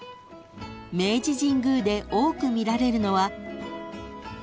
［明治神宮で多く見られるのは］